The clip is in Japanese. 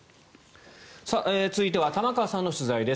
続いては玉川さんの取材です。